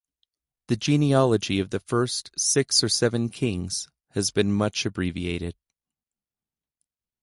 The genealogy of the first six or seven kings has been much abbreviated.